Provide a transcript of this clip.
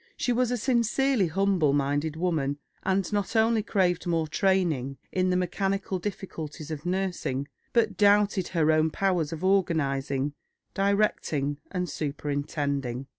She was a sincerely humble minded woman, and not only craved more training in the mechanical difficulties of nursing, but doubted her own powers of organising, directing, and superintending.